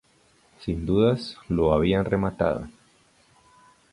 Sin dudas, lo habían rematado".